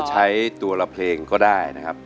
ใช้ตัวละเพลงก็ได้นะครับ